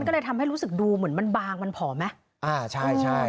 แล้วมันก็เลยทำให้รู้สึกดูเหมือนมันบางมันผอมนะใช่